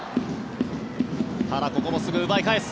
ただ、ここもすぐに奪い返す。